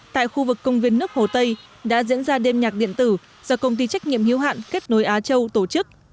tại khu vực công viên nước hồ tây đã diễn ra đêm nhạc điện tử do công ty trách nhiệm hiếu hạn kết nối á châu tổ chức